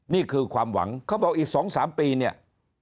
นี่คือความหวังเขาบอกอีก๒๓ปีเนี่ย